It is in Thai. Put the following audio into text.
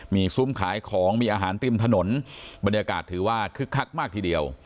มีซุ้มขายของมีอาหารริมถนนบรรยากาศถือว่าคึกคักมากทีเดียว